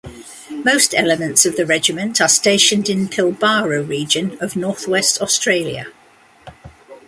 Most elements of the regiment are stationed in Pilbara region of north-west Australia.